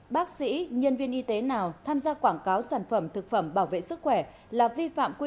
bác sĩ nhân viên y tế nào tham gia quảng cáo sản phẩm thực phẩm bảo vệ sức khỏe là vi phạm quy